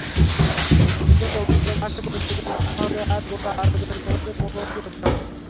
এতে পবিত্র মাসের পবিত্রতা নষ্ট হবে আর গোটা আরবের ক্রোধের মুখোমুখী হতে হবে।